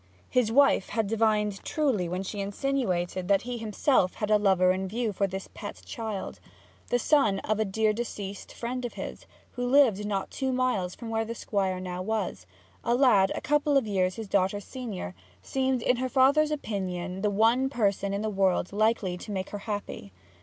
His wife had divined truly when she insinuated that he himself had a lover in view for this pet child. The son of a dear deceased friend of his, who lived not two miles from where the Squire now was, a lad a couple of years his daughter's senior, seemed in her father's opinion the one person in the world likely to make her happy.